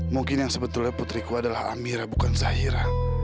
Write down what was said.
mungkin yang sebetulnya putriku adalah amira bukan zahira